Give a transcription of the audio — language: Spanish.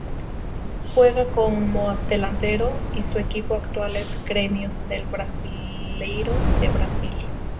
Juega como delantero y su equipo actual es Grêmio del Brasileirão de Brasil.